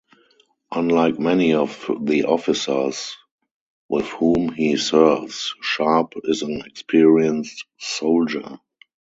Unlike many of the officers with whom he serves, Sharpe is an experienced soldier.